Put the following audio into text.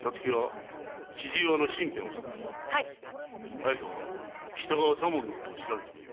隼人は北川多門のことを調べてくれ。